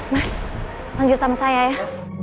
mas lanjut sama saya ya